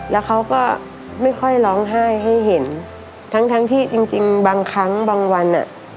แล้วเขาก็ไม่ค่อยร้องไห้ให้เห็นทั้งทั้งที่จริงจริงบางครั้งบางวันอ่ะ